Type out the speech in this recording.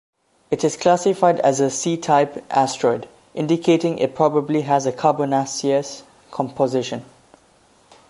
It is classified as a C-type asteroid, indicating it probably has a carbonaceous composition.